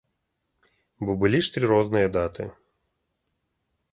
Бо былі ж тры розныя даты.